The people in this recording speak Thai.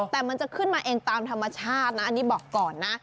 แต่มันจะขึ้นมาเองตามธรรมชาตินะอันนี้บอกก่อนนะ